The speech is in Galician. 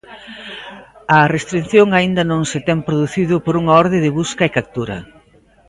A restrición aínda non se ten producido por unha orde de busca e captura.